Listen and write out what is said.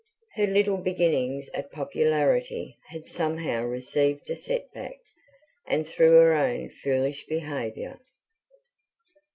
Her little beginnings at popularity had somehow received a setback, and through her own foolish behaviour.